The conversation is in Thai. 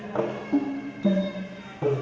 สวัสดีครับทุกคน